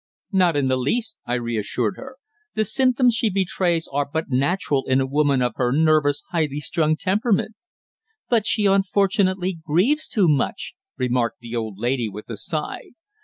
"Not in the least," I reassured her. "The symptoms she betrays are but natural in a woman of her nervous, highly strung temperament." "But she unfortunately grieves too much," remarked the old lady with a sigh.